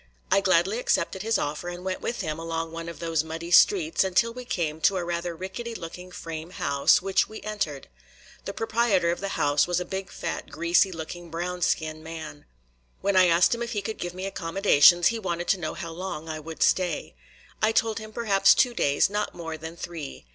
I gladly accepted his offer and went with him along one of those muddy streets until we came to a rather rickety looking frame house, which we entered. The proprietor of the house was a big, fat, greasy looking brown skin man. When I asked him if he could give me accommodations, he wanted to know how long I would stay. I told him perhaps two days, not more than three.